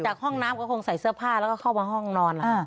ห้องน้ำก็คงใส่เสื้อผ้าแล้วก็เข้ามาห้องนอน